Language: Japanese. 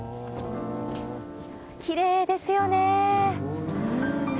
きれいですよね。